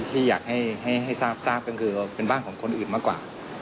ที่อยากให้ทราบก็คือเป็นบ้านของคนอื่นมากกว่า